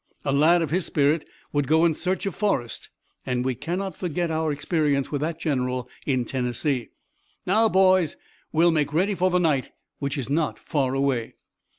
A lad of his spirit would go in search of Forrest, and we cannot forget our experience with that general in Tennessee. Now, boys, we'll make ready for the night, which is not far away."